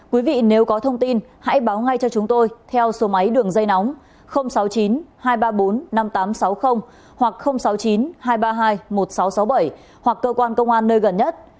quý vị nếu có thông tin hãy báo ngay cho chúng tôi theo số máy đường dây nóng sáu mươi chín hai trăm ba mươi bốn năm nghìn tám trăm sáu mươi hoặc sáu mươi chín hai trăm ba mươi hai một nghìn sáu trăm sáu mươi bảy hoặc cơ quan công an nơi gần nhất